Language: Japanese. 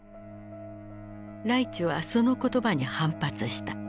ライチュはその言葉に反発した。